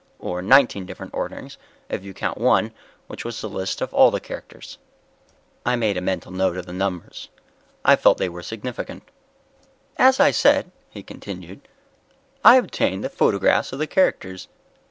Or nineteen different orderings if you count one which was a list of all the characters." I made a mental note of the numbers. I felt they were significant. "As I said," he continued, "I obtained the photographs of the characters.